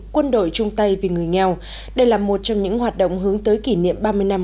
quân đội trung tây vì người nghèo đây là một trong những hoạt động hướng tới kỷ niệm ba mươi năm